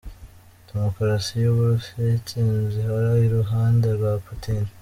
Demukarasi y’ Uburusiya itsinzi ihora iruhande rwa Putin”.